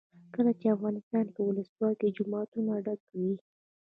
کله چې افغانستان کې ولسواکي وي جوماتونه ډک وي.